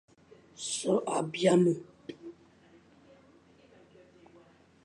So a bîa me,